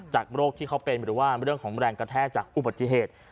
โรคที่เขาเป็นหรือว่าเรื่องของแรงกระแทกจากอุบัติเหตุ